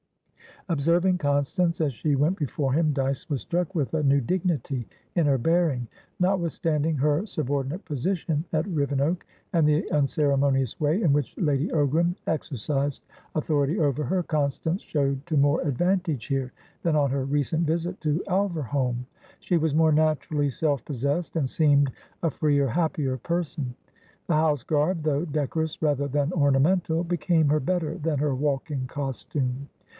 Observing Constance as she went before him, Dyce was struck with a new dignity in her bearing. Notwithstanding her subordinate position at Rivenoak, and the unceremonious way in which Lady Ogram exercised authority over her, Constance showed to more advantage here than on her recent visit to Alverholme; she was more naturally self possessed, and seemed a freer, happier person. The house garb, though decorous rather than ornamental, became her better than her walking costume.